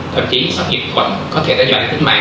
thậm chí sắp nhiệt quả có thể đã dành đến mạng